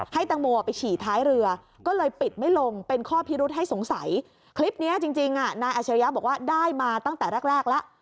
ตังโมไปฉี่ท้ายเรือก็เลยปิดไม่ลงเป็นข้อพิรุษให้สงสัยคลิปนี้จริงนายอาชริยะบอกว่าได้มาตั้งแต่แรกแรกแล้ว